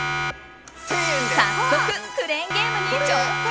早速、クレーンゲームに挑戦。